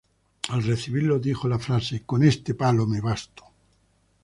Al recibirlo dijo la frase: "Con este palo me basto".